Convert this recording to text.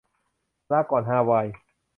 ลาก่อนฮาวาย